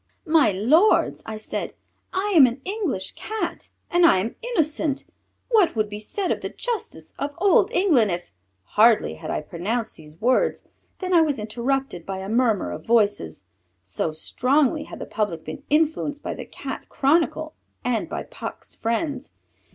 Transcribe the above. "My Lords," I said, "I am an English Cat and I am innocent. What would be said of the justice of old England if...." Hardly had I pronounced these words than I was interrupted by a murmur of voices, so strongly had the public been influenced by the Cat Chronicle and by Puck's friends.